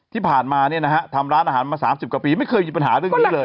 ที่ผ่านมาเนี่ยนะฮะทำร้านอาหารมา๓๐กว่าปีไม่เคยมีปัญหาเรื่องนี้เลย